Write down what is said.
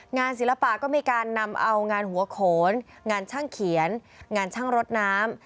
ศิลปะก็มีการนำเอางานหัวโขนงานช่างเขียนงานช่างรถน้ำ